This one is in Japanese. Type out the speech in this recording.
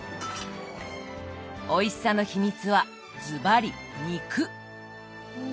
おいしさの秘密はズバリ「肉」。